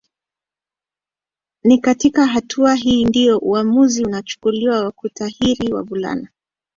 Ni katika hatua hii ndio uamuzi unachukuliwa wa kutahiri wavulana